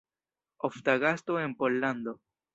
Ofta gasto en Pollando.